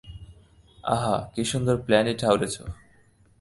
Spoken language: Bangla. আহা, কী সুন্দর প্ল্যানই ঠাউরেছ।